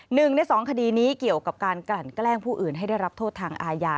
หนึ่งในสองคดีนี้เกี่ยวกับการกลั่นแกล้งผู้อื่นให้ได้รับโทษทางอาญา